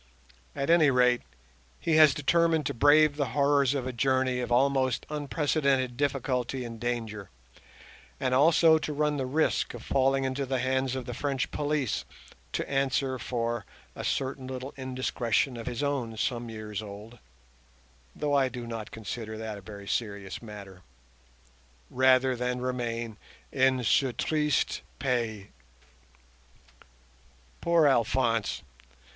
At any rate, he has determined to brave the horrors of a journey of almost unprecedented difficulty and danger, and also to run the risk of falling into the hands of the French police to answer for a certain little indiscretion of his own some years old (though I do not consider that a very serious matter), rather than remain in ce triste pays. Poor Alphonse!